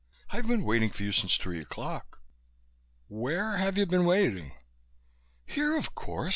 I've been waiting for you since three o'clock." "Where have you been waiting?" "Here of course.